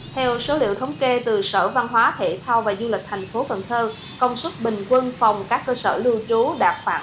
theo số liệu thống kê từ sở văn hóa thể thao và du lịch tp hcm công suất bình quân phòng các cơ sở lưu trú đạt khoảng bảy mươi năm chín mươi